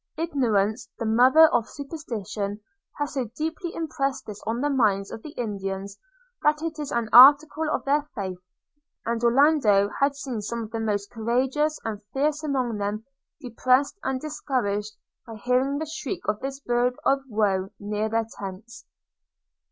Ignorance, the mother of superstition, has so deeply impressed this on the minds of the Indians, that it is an article of their faith, and Orlando had seen some of the most courageous and fierce among them depressed and discouraged by hearing the shriek of this bird of woe near their tents.